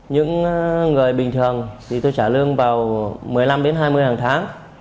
những người bình thường thì tôi trả lương vào một mươi năm đến hai mươi hàng tháng